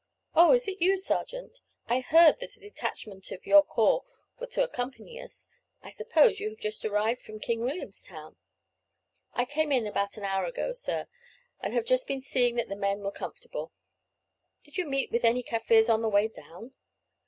"Oh, is it you, sergeant? I heard that a detachment of your corps were to accompany us. I suppose you have just arrived from King Williamstown?" "I came in about an hour ago, sir, and have just been seeing that the men were comfortable." "Did you meet with any Kaffirs on the way down?"